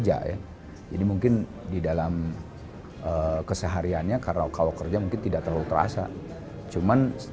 jokowi juga berharap agar sumber daya manusia diperlukan